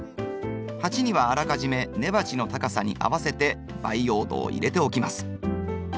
鉢にはあらかじめ根鉢の高さに合わせて培養土を入れておきます。